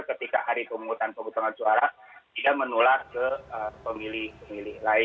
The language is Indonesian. ketika hari pengumuman pemutangan suara tidak menular ke pemilih pemilih lain